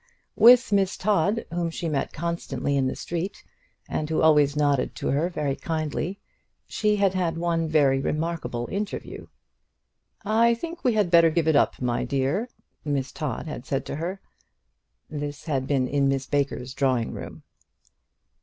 With Miss Todd, whom she met constantly in the street, and who always nodded to her very kindly, she had had one very remarkable interview. "I think we had better give it up, my dear," Miss Todd had said to her. This had been in Miss Baker's drawing room.